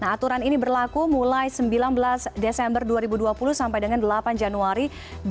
aturan ini berlaku mulai sembilan belas desember dua ribu dua puluh sampai dengan delapan januari dua ribu dua puluh